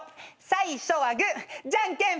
最初はグーじゃんけんぽん。